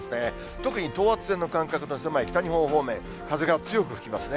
特に等圧線の間隔が狭い北日本方面、風が強く吹きますね。